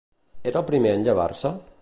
Era el primer en llevar-se?